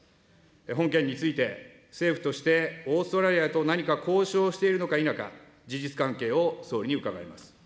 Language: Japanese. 本件について、政府としてオーストラリアと何か交渉しているのか否か、事実関係を総理に伺います。